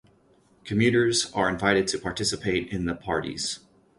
Commuters are invited to participate in the parties.